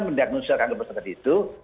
mendiagnosa kanker perusahaan itu